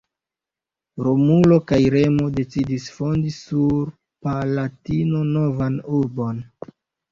Romulo kaj Remo decidis fondi sur Palatino novan urbon.